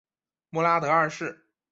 穆拉德二世。